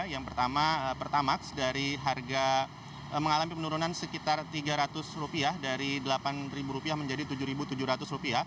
yang pertama pertamax dari harga mengalami penurunan sekitar rp tiga ratus dari rp delapan menjadi rp tujuh tujuh ratus